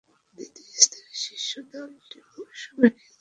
দ্বিতীয় স্তরের শীর্ষ দলটি আগামী মৌসুমে খেলবে প্রথম স্তরে।